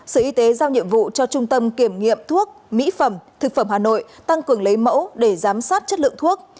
sở y tế giao nhiệm vụ cho trung tâm kiểm nghiệm thuốc mỹ phẩm thực phẩm hà nội tăng cường lấy mẫu để giám sát chất lượng thuốc